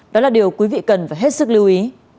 đó là điều quý vị cần phải hết sức lưu ý